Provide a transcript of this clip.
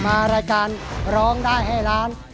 มารายการร้องได้ให้ล้าน